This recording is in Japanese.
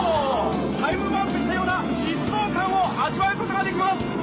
タイムワープしたような疾走感を味わうことができます。